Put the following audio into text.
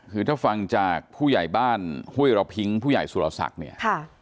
คือถ้าฟังจากผู้ใหญ่บ้านห้วยระพิ้งผู้ใหญ่สุรศักดิ์เนี่ย